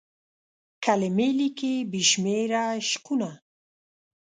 کلمې لیکي بې شمیر عشقونه